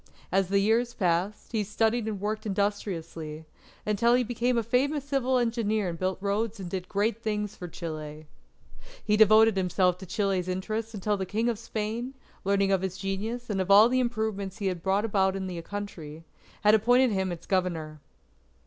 As the years passed, he studied and worked industriously, until he became a famous civil engineer and built roads and did great things for Chile. He devoted himself to Chile's interest until the King of Spain, learning of his genius and of all the improvements he had brought about in the country, appointed him its Governor.